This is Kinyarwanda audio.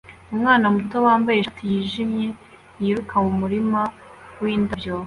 umwana muto wambaye ishati yijimye yiruka mumurima windabyo